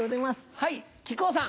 はい木久扇さん。